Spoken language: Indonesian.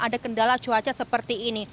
ada kendala cuaca seperti ini